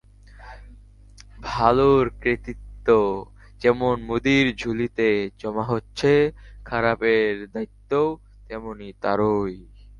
ভালোর কৃতিত্ব যেমন মোদির ঝুলিতে জমা হচ্ছে, খারাপের দায়িত্বও তেমনি তাঁরই।